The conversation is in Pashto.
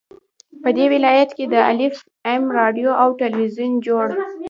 په دې ولايت كې د اېف اېم راډيو او ټېلوېزون جوړ